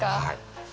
はい。